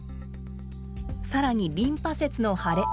更にリンパ節の腫れ。